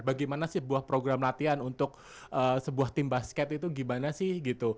bagaimana sih sebuah program latihan untuk sebuah tim basket itu gimana sih gitu